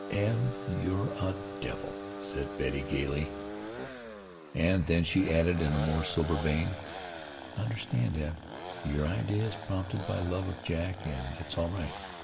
"Eb, you're a devil," said Betty gaily, and then she added in a more sober vein, "I understand, Eb. Your idea is prompted by love of Jack, and it's all right.